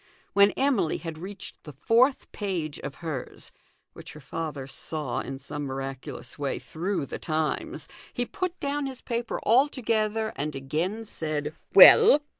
When Emily had reached the fourth page of hers, which her father saw. in some miraculous way, through the Times, he put down his paper altogether and again said, " "Well